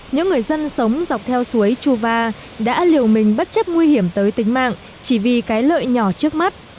những người dân sống dọc theo suối chuva đã liều mình bất chấp nguy hiểm tới tính mạng chỉ vì cái lợi nhỏ trước mắt